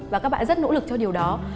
và các bạn rất nỗ lực cho điều đó